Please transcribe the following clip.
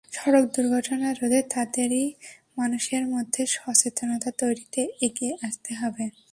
সড়ক দুর্ঘটনা রোধে তাঁদেরই মানুষের মধ্যে সচেতনতা তৈরিতে এগিয়ে আসতে হবে।